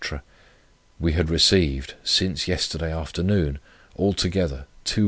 we had received, since yesterday afternoon, altogether £217.